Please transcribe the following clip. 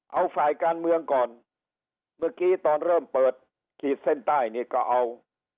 เอาฝ่ายการเมืองก่อนเมื่อกี้ตอนเริ่มเปิดขีดเส้นใต้นี่ก็เอา